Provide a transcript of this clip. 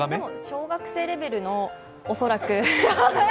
小学生レベルの、恐らく。